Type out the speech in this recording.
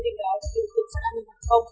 liên hệ gáo của tổ chức sát an ninh hàng phòng